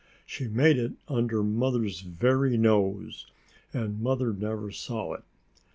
She made it under Mother's very nose, and Mother never saw it.